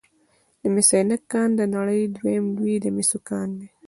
د مس عینک کان د نړۍ دویم لوی د مسو کان دی